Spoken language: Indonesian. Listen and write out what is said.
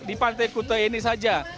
di pantai kuta ini saja